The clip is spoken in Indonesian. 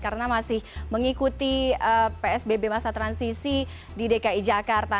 karena masih mengikuti psbb masa transisi di dki jakarta